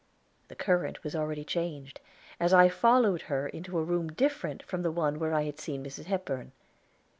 The current was already changed, as I followed her into a room different from the one where I had seen Mrs. Hepburn.